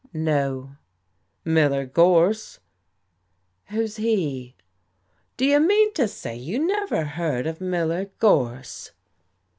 "No." "Miller Gorse." "Who's he?" "Do you mean to say you never heard of Miller Gorse?"